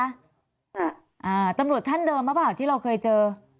อ่าตำรวจท่านเดิมหรือเปล่าที่เราเคยเจอ